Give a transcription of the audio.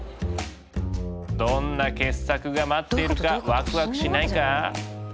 どんな傑作が待ってるかわくわくしないか？